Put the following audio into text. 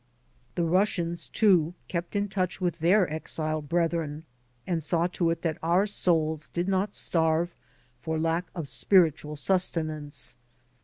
The Russians, too, kept in touch with their exiled brethren and saw to it that om: souls did not starve for lack of spiritual sustenance.